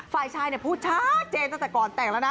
ฝ่ายชายพูดชัดเจนตั้งแต่ก่อนแต่งแล้วนะ